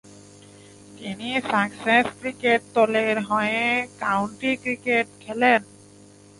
তিনি Sussex cricket দলের হয়ে কাউন্টি ক্রিকেট খেলেন।